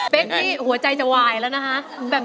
เป๊กพี่หัวใจจะไหวแล้วนะฮะ